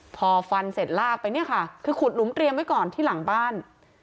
พอฟันเสร็จลากไปเนี่ยค่ะคือขุดหลุมเตรียมไว้ก่อนที่หลังบ้าน